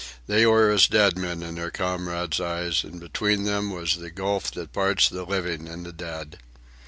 They were as dead men in their comrades' eyes, and between them was the gulf that parts the living and the dead.